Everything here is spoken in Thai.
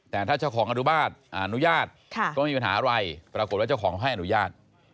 แต่ถ้าเจ้าของอนุญาตก็ไม่มีปัญหาอะไรปรากฏว่าเจ้าของให้อนุญาต